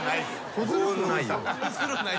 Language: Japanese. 小ずるくないよ。